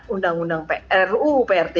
undang undang pru prt